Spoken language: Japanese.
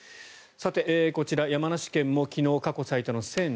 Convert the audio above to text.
こちら、山梨県も昨日、過去最多の１０１５人。